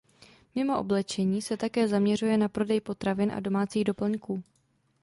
Mimo oblečení se také zaměřuje na prodej potravin a domácích doplňků.